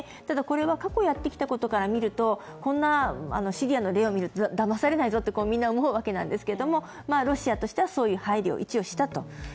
ただ、これは過去やってきたことから見るとこんなシリアの例を見るとだまされないぞとみんな、思うわけですけどロシアとしてはそういう配慮を一応したと。